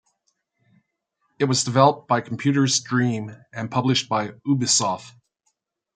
It was developed by Computer's Dream and published by Ubisoft.